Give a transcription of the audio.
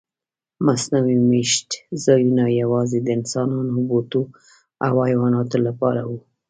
مصنوعي میشت ځایونه یواځې د انسانانو، بوټو او حیواناتو لپاره وو.